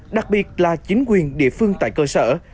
đặc biệt là chính quyền địa phương tại cơ sở